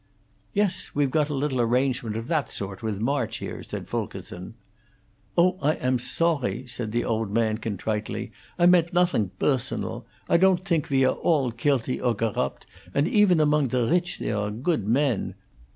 "Yes, we've got a little arrangement of that sort with March here," said Fulkerson. "Oh, I am sawry," said the old man, contritely, "I meant noting bersonal. I ton't tink we are all cuilty or gorrubt, and efen among the rich there are goodt men.